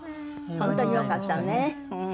本当によかったね。